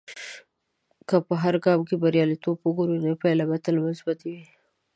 که په هر ګام کې بریالیتوب وګورې، نو پایلې به تل مثبتي وي.